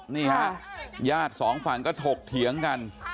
นี่ฮะญาติสองฝั่งก็ถกเถียงกัน